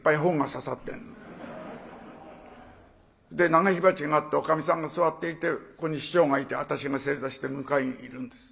長火鉢があっておかみさんが座っていてここに師匠がいて私が正座して向かいにいるんです。